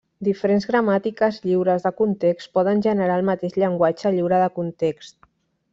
Diferents gramàtiques lliures de context poden generar el mateix llenguatge lliure de context.